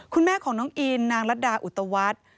คุณแม่ของน้องอินนางรัดดาอุตวัฒน์